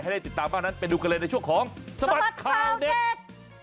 ได้ติดตามบ้างนั้นไปดูกันเลยในช่วงของสบัดข่าวเด็ก